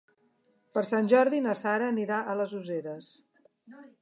Per Sant Jordi na Sara anirà a les Useres.